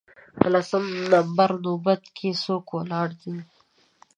په لسم نمبر نوبت کې څوک ولاړ دی